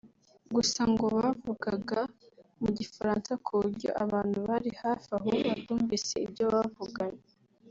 gusa ngo bavugaga mu Gifaransa ku buryo abantu bari hafi aho batumvise ibyo bavuganye